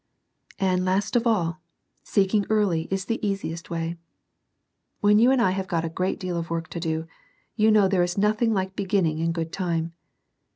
And last of all, seeking early is the easiest way. When you and I have got a great deal of work to do, you know there is nothing like beginning in good time.